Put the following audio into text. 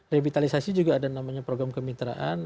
revitalisasi juga ada namanya program kemitraan